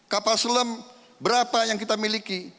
kapal selam berapa yang kita miliki